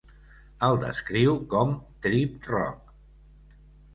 El descriu com "trip rock".